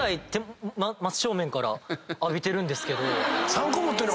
３個持ってんの？